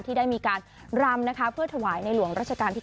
ที่ได้มีการรำนะคะเพื่อถวายในหลวงราชการที่๙